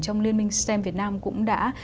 trong liên minh stem việt nam cũng đã